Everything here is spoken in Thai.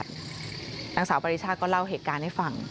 นางสาวปริชาก็เล่าเหตุการณ์ให้ฟัง